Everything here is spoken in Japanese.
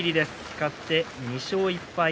勝って２勝１敗。